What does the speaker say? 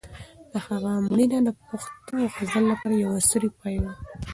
د هغه مړینه د پښتو غزل لپاره د یو عصر پای و.